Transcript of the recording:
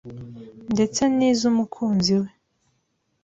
ndetse n’iz’umukunzi we,